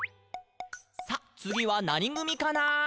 「さあ、つぎはなにぐみかな？」